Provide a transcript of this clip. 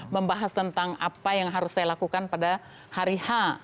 membahas tentang apa yang harus saya lakukan pada hari h